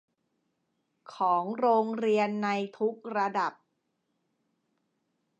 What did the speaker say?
ของโรงเรียนในทุกระดับ